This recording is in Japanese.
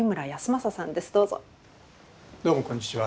どうもこんにちは。